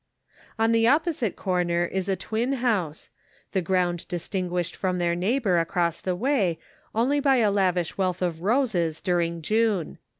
On the opposite corner is a twin house ; the ground distinguished from their neighbor across the way only by a lavish wealth of Then and Now. 483 roses during June.